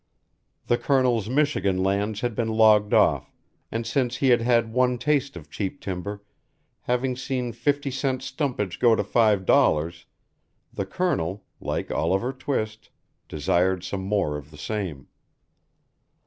The Colonel's Michigan lands had been logged off, and since he had had one taste of cheap timber, having seen fifty cent stumpage go to five dollars, the Colonel, like Oliver Twist, desired some more of the same.